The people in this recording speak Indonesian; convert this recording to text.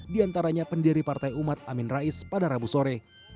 diantaranya pendiri partai umat amin rais pada rabu sore